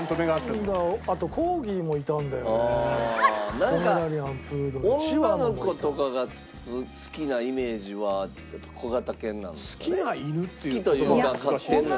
なんか女の子とかが好きなイメージは小型犬なんですかね。